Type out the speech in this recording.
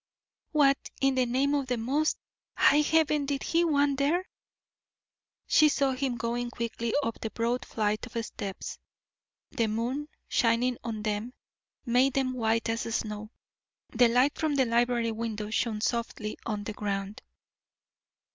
What, in the name of the most high Heaven, did he want there? She saw him going quickly up the broad flight of steps; the moon, shining on them, made them white as snow; the light from the library window shone softly on the ground.